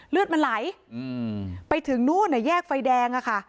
เลือดมันไหลไปถึงนู่นแยกไฟแดงอะค่ะ